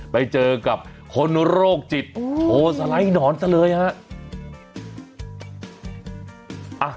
ไปเจอกับคนโรคจิตโธสไหล่หนอนซะเลยครับ